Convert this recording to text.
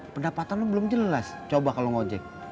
pendapatan lu belum jelas coba kalau ngojek